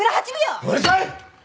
うるさい！